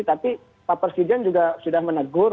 tapi pak presiden juga sudah menegur